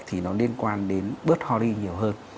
thì nó liên quan đến bớt hori nhiều hơn